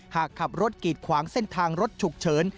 หากขับรถกีดขวางเส้นทางรถฉุกเฉิน